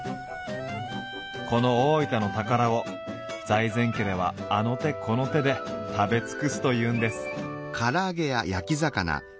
この大分の宝を財前家ではあの手この手で食べ尽くすというんです。